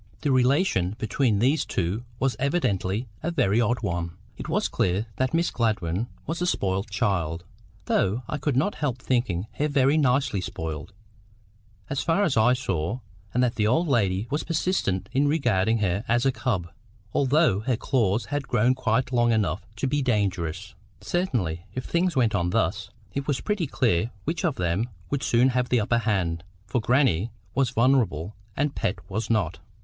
The relation between these two was evidently a very odd one. It was clear that Miss Gladwyn was a spoiled child, though I could not help thinking her very nicely spoiled, as far as I saw; and that the old lady persisted in regarding her as a cub, although her claws had grown quite long enough to be dangerous. Certainly, if things went on thus, it was pretty clear which of them would soon have the upper hand, for grannie was vulnerable, and Pet was not.